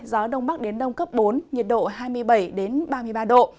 gió đông bắc đến đông cấp bốn nhiệt độ hai mươi bảy ba mươi ba độ